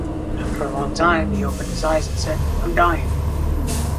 After a long time, he opened his eyes and said; 'I'm dying'.